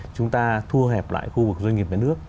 chúng ta thu hẹp lại khu vực doanh nghiệp về nước